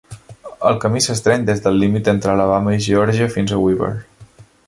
El camí s'estreny des del límit entre Alabama i Georgia fins a Weaver.